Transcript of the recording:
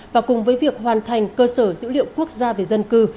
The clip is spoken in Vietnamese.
và cùng với việc hoàn thành cơ sở dữ liệu quốc gia về dân cư